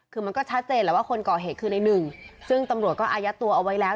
คือมันก็ชัดเจนแหละว่าคนก่อเหตุคือในหนึ่งซึ่งตำรวจก็อายัดตัวเอาไว้แล้ว